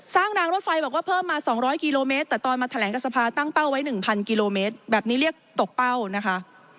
รางรถไฟบอกว่าเพิ่มมา๒๐๐กิโลเมตรแต่ตอนมาแถลงกับสภาตั้งเป้าไว้๑๐๐กิโลเมตรแบบนี้เรียกตกเป้านะคะ